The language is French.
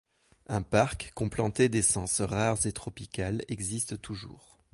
Un parc complanté d'essences rares et tropicales existe toujours.